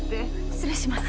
失礼します。